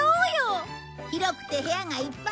広くて部屋がいっぱいあるよ。